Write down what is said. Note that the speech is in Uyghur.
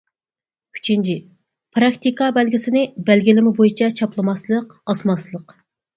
ئۈچىنچى، پىراكتىكا بەلگىسىنى بەلگىلىمە بويىچە چاپلىماسلىق، ئاسماسلىق.